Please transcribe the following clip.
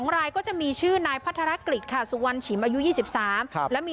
๒รายก็จะมีชื่อ